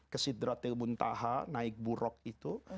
kesidratilbuntaha naik buruk itu